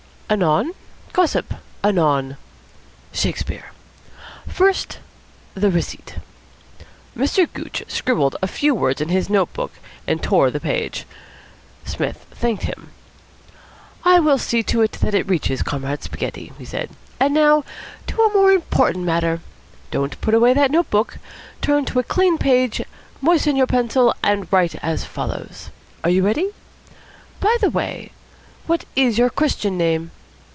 "Anon, gossip, anon. Shakespeare. First, the receipt." Mr. Gooch scribbled a few words in his notebook and tore out the page. Psmith thanked him. "I will see that it reaches Comrade Spaghetti," he said. "And now to a more important matter. Don't put away that notebook. Turn to a clean page, moisten your pencil, and write as follows. Are you ready? By the way, what is your Christian name?